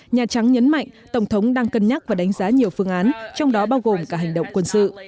nhà trắng nhấn mạnh tổng thống đang cân nhắc và đánh giá nhiều phương án trong đó bao gồm cả hành động quân sự